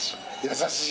優しい。